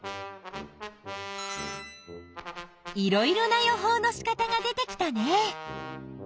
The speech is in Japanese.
いろいろな予報のしかたが出てきたね。